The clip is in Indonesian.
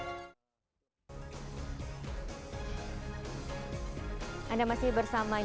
kami akan lanjutkan perbincangan terkait dengan potensi kenaikan